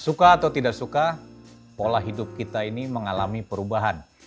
suka atau tidak suka pola hidup kita ini mengalami perubahan